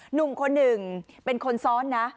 หนุ่มคนหนึ่งเป็นคนซ้อนนะ